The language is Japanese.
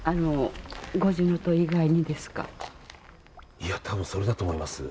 いや、多分それだと思います。